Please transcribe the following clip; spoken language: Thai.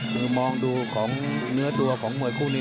คือมองดูของเนื้อตัวของมวยคู่นี้